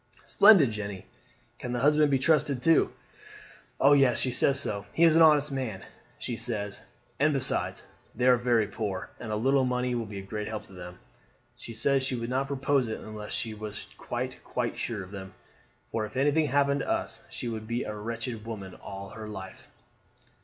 "Splendid, Jeanne! Can the husband be trusted too?" "Oh, yes, she says so. He is an honest man, she says; and besides, they are very poor, and a little money will be a great help to them. She says she would not propose it unless she was quite, quite sure of them, for if anything happened to us she would be a wretched woman all her life."